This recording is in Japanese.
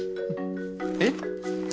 えっ？